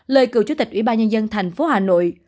lời cựu chủ tịch ủy ban nhân dân thành phố hà nội